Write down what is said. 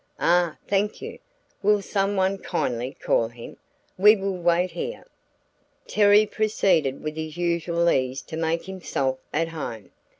"Ah, thank you; will some one kindly call him? We will wait here." Terry proceeded with his usual ease to make himself at home.